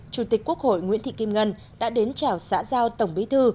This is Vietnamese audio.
chủ tịch quốc hội nguyễn thị kim ngân đã đến chào xã giao tổng bí thư